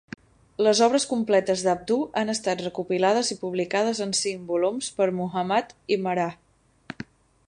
Les obres completes d'Abduh han estat recopilades i publicades en cinc volums per Muhammad Imarah.